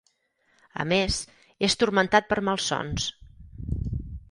A més, és turmentat per malsons.